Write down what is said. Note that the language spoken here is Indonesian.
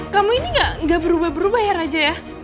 kamu ini gak berubah berubah ya raja ya